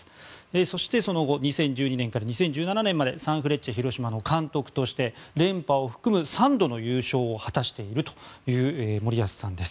そして、その後２０１２年から２０１７年までサンフレッチェ広島の監督として連覇を含む３度の優勝を果たしているという森保さんです。